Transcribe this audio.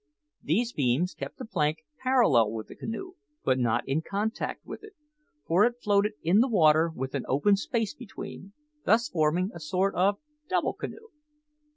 These beams kept the plank parallel with the canoe, but not in contact with it, for it floated in the water with an open space between thus forming a sort of double canoe.